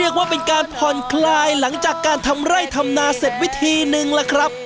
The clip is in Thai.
การผ่อนคลายหลังจากการทำไร่ทำนาเสร็จวิธีนึงล่ะครับ